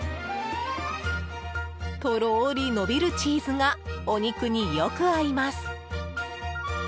とろーり伸びるチーズがお肉によく合います。